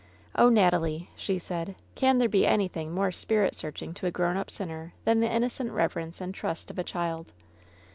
"Oh, Natalie !" she said, "can there be anything more LOVERS BITTEREST CUP 161 spirit searchmg to a grown up sinner than the innocent reverence and trust of a child!